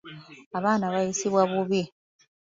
Abaana baliisibwa bubi.